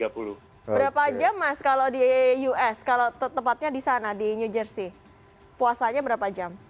berapa jam mas kalau di us kalau tepatnya di sana di new jersey puasanya berapa jam